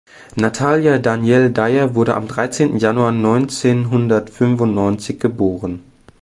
Natalia Danielle Dyer wurde am dreizehnten Januar neunzehnhundertfünfundneunzig geboren.